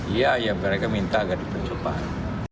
iya ya mereka minta agar dipercepat